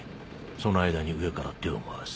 その間に上から手を回す。